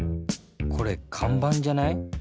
これかんばんじゃない？